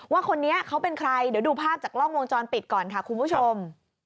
ว่าคนนี้เขาเป็นใครเดี๋ยวดูภาพจากกล้องวงจรปิดก่อนค่ะคุณผู้ชม